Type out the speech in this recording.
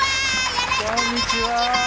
よろしくお願いします！